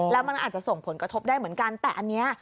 แล้วมันอาจจะส่งผลกระทบได้เหมือนกันแต่อันนี้